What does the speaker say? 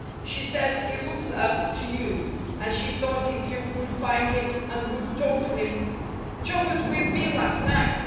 She says he looks up to you, and she thought if you could find him and would talk to him " "Joe was with me last night.